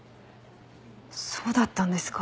そうだったんですか。